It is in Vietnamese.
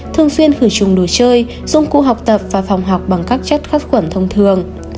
thường xuyên khử trùng đồ chơi dụng cụ học tập và phòng học bằng các chất sát khuẩn thông thường